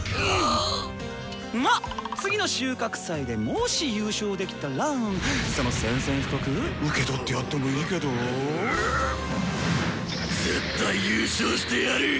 まっ次の収穫祭でもし優勝できたらその宣戦布告うけとってやってもいいけどぉ？絶対優勝してやる！